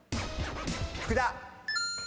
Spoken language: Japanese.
福田。